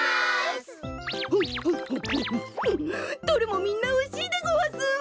どれもみんなおいしいでごわす！